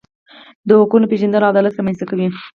د حقونو پیژندل عدالت رامنځته کوي.